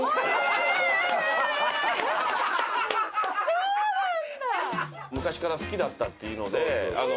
そうなんだ！